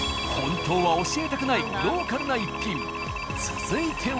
続いては。